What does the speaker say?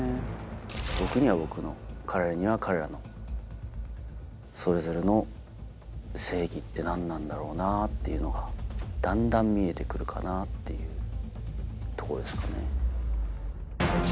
僕には僕の彼らには彼らの。それぞれの正義って何なんだろうなぁっていうのがだんだん見えて来るかなっていうところですかね。